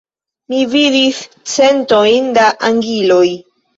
Mi vidis centojn da angiloj.